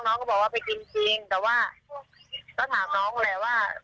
น้องก็บอกว่าไปกินจริงแต่ว่าก็ถามน้องแหละว่า